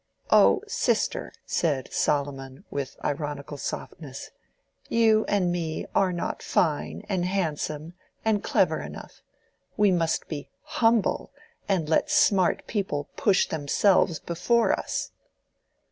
"Oh, sister," said Solomon, with ironical softness, "you and me are not fine, and handsome, and clever enough: we must be humble and let smart people push themselves before us."